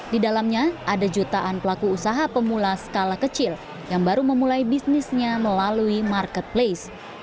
di dalamnya ada jutaan pelaku usaha pemula skala kecil yang baru memulai bisnisnya melalui marketplace